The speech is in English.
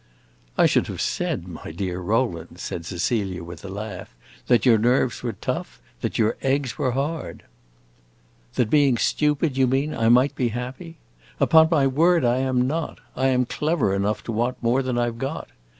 "I should have said, my dear Rowland," said Cecilia, with a laugh, "that your nerves were tough, that your eggs were hard!" "That being stupid, you mean, I might be happy? Upon my word I am not. I am clever enough to want more than I 've got.